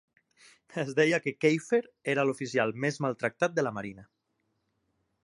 Es deia que Kiefer era l'oficial més maltractat de la Marina.